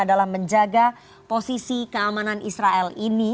adalah menjaga posisi keamanan israel ini